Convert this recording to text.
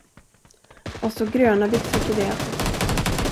Och så gröna byxor till det.